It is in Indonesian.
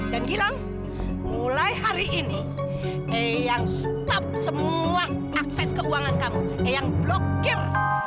dan gilang mulai hari ini yang stop semua akses keuangan kamu yang blokir